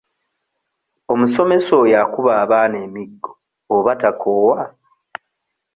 Omusomesa oyo akuba abaana emiggo oba takoowa?